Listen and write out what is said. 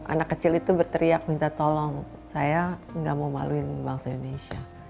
anak kecil itu berteriak minta tolong saya nggak mau maluin bangsa indonesia